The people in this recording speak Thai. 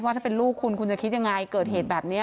ว่าถ้าเป็นลูกคุณคุณจะคิดยังไงเกิดเหตุแบบนี้